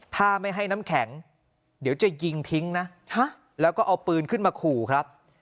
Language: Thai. ถ้าไม่ให้น้ำแข็งเดี๋ยวจะยิงทิ้งนะแล้วก็เอาปืนขึ้นมาขู่ครับ